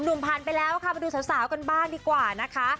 หนุ่มผ่านไปแล้วค่ะมาดูสาวกันบ้างดีกว่านะคะ